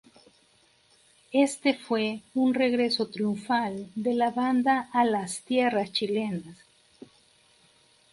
Este fue un regreso triunfal de la banda a las tierras chilenas.